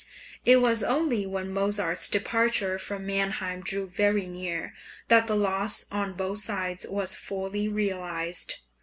It was only when Mozart's departure from Mannheim drew very near that the loss on both sides was fully realised.